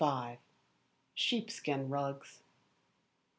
Sheepskin Rugs.